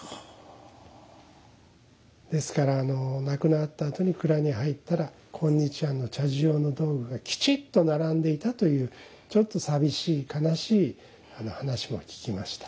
ですからあの亡くなったあとに蔵に入ったら今日庵の茶事用の道具がきちっと並んでいたというちょっと寂しい悲しい話も聞きました。